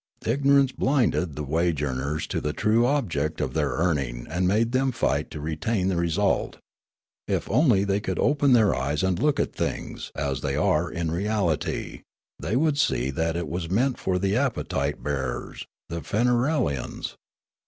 Ignorance blinded the wage earners to the true object of their earning and made them fight to re tain the result ; if only they could open their ^3'es and look at things as they are in reality, the}^ would see that it was meant for the appetite bearers, the Feneral ians.